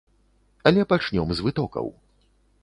Але пачнём з вытокаў.